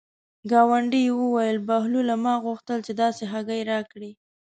ګاونډي یې وویل: بهلوله ما غوښتل چې داسې هګۍ راکړې.